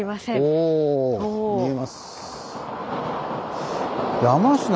お見えます。